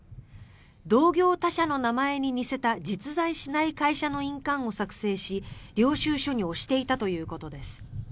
同業他社の名前に似せた実在しない会社の印鑑を作成し領収書に押していたということです。